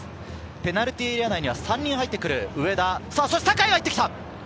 ペナルティーエリア内には３人入ってくる。